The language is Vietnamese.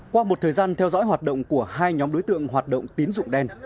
qua một thời gian theo dõi hoạt động của hai nhóm đối tượng hoạt động tín dụng đen